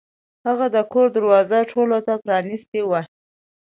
هغه د کور دروازه ټولو ته پرانیستې وه.